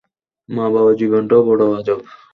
মা-বাবার জীবনটাও বড় আজব!